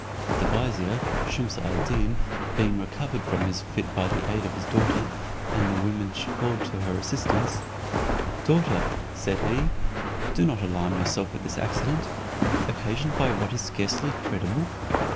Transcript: The vizier Shumse ad Deen being recovered from his fit by the aid of his daughter, and the women she called to her assistance; "Daughter," said he, "do not alarm yourself at this accident, occasioned by what is scarcely credible.